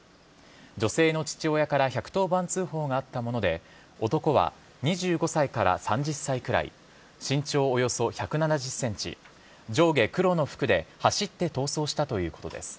女性の父親から１１０番通報があったもので男は２５歳から３０歳くらい身長およそ１７０ｃｍ上下黒の服で走って逃走したということです。